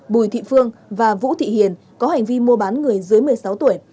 bùi thị phương và vũ thị hiền có hành vi mua bán người dưới một mươi sáu tuổi